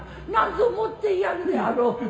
何ぞ持っていやるであろう。